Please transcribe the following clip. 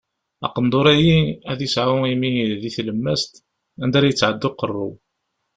Aqendur-agi ad isɛu imi di tlemmast, anda ara yettɛeddi uqerru.